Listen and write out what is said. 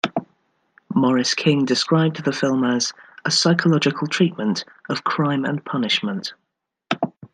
Morris King described the film as "a psychological treatment of "Crime and Punishment".